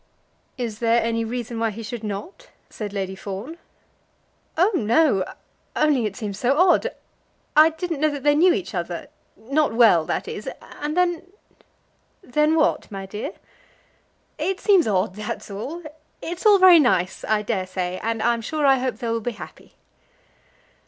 "Is there any reason why he should not?" said Lady Fawn. "Oh, no; only it seems so odd. I didn't know that they knew each other; not well, that is. And then " "Then what, my dear?" "It seems odd; that's all. It's all very nice, I dare say, and I'm sure I hope they will be happy."